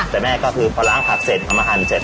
แต่แม่ก็คือพอล้างผักเสร็จเขามาหั่นเสร็จ